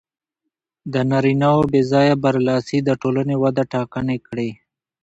د نارینهوو بې ځایه برلاسي د ټولنې وده ټکنۍ کړې.